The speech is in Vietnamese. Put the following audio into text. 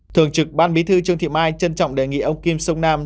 thường trực ban bí thư trương thị mai trân trọng đề nghị ông kim sông nam